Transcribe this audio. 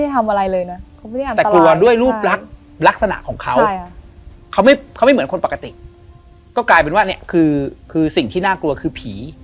แต่กลัวด้วยรูปลักษณ์ลักษณะของเขาเขาไม่เขาไม่เหมือนคนปกติก็กลายเป็นว่าเนี่ยคือคือสิ่งที่น่ากลัวคือผี